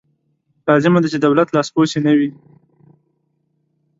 لازمه ده چې د دولت لاسپوڅې نه وي.